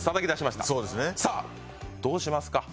さあどうしますか？